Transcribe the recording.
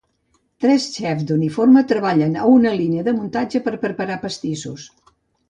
Tres xefs d'uniforme treballen a una línia de muntatge per preparar pastissos.